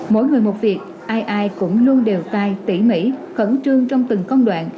mỗi người một việc ai ai cũng luôn đều tay tỉ mỉ khẩn trương trong từng con đoạn